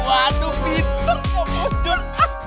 waduh pinter kok bos jun